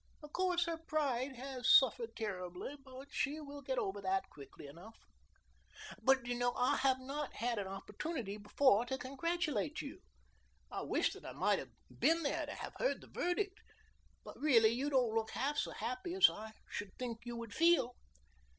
Of course, her pride has suffered terribly, but she will get over that quickly enough. "But do you know I have not had an opportunity before to congratulate you? I wish that I might have been there to have heard the verdict, but really you don't look half as happy as I should think you would feel."